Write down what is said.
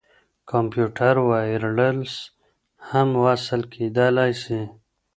کمپيوټر وايرلس هم وصل کېدلاى سي.